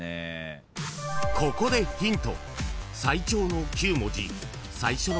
［ここでヒント］